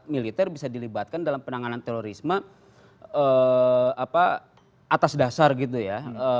militer bisa dilibatkan dalam penanganan terorisme atas dasar gitu ya